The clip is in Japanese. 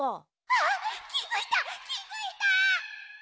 あっきづいたきづいた！